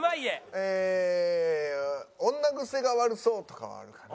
えー「女グセが悪そう」とかはあるかな。